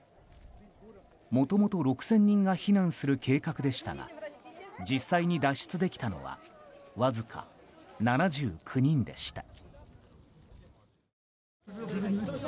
もともと６０００人が避難する計画でしたが実際に脱出できたのはわずか７９人でした。